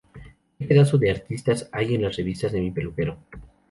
Que pedazo de artistas hay en las revistas de mi peluquero".